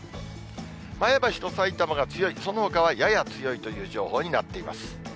前橋とさいたまが強い、そのほかはやや強いという情報になっています。